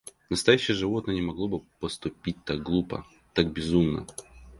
Настоящее животное не могло бы поступить так глупо, так безумно.